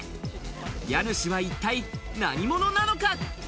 家主は一体何者なのか？